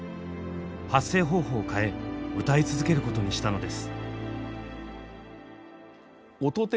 発声方法を変え歌い続けることにしたのです。